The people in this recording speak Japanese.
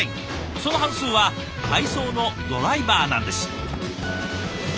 その半数は配送のドライバーなんです。